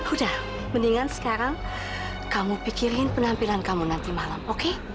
udah mendingan sekarang kamu pikirin penampilan kamu nanti malam oke